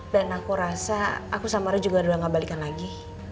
dan aku rasa aku sama roy juga udah gak balikan lagi